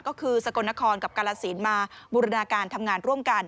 ก็คือสกลนครกับกาลสินมาบูรณาการทำงานร่วมกัน